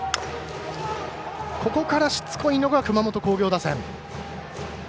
ここから、しつこいのが熊本工業打線。